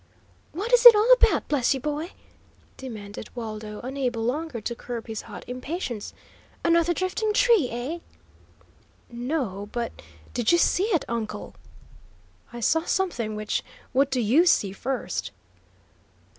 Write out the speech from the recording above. "What is it all about, bless you, boy?" demanded Waldo, unable longer to curb his hot impatience. "Another drifting tree, eh?" "No, but, did you see it, uncle?" "I saw something which what do YOU see, first?"